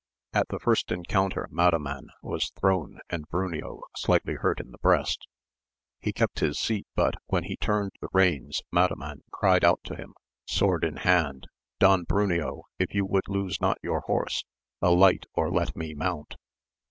At the first encounter Madaman was thrown and Bruneo slightly hurt in the breast ; he kept his seat, but when he turned the reins Madaman cried out to him, sword in hand, Don Bruneo, if you would lose not your horse, alight or let me mount.